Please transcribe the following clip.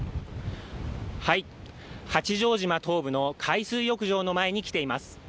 八丈島東部の海水浴場の前に来ています。